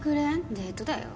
デートだよ？